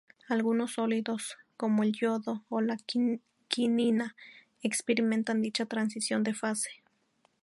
Algunos sólidos, como el yodo o la quinina, experimentan dicha transición de fase.